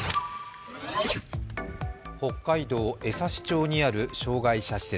北海道江差町にある障害者施設。